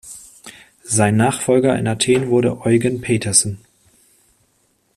Sein Nachfolger in Athen wurde Eugen Petersen.